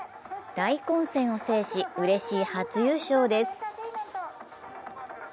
大混戦を制し、うれしい初優勝です